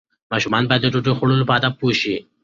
ماشومان باید د ډوډۍ خوړلو په آدابو پوه شي.